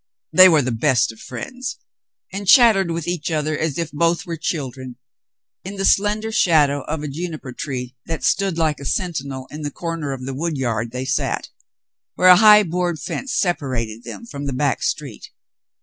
They were the best of friends and chattered with each other as if both were children. In the slender shadow of a juniper tree that stood like a sentinel in the corner of the wood yard they sat, where a high board fence sepa rated them from the back street.